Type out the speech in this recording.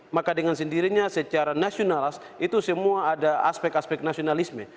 maka dengan sendirinya secara nasional itu semua ada aspek aspek nasionalisme